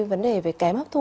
vấn đề về kém hấp thu